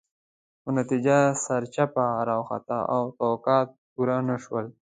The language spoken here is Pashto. خو نتیجه سرچپه راوخته او توقعات پوره نه شول.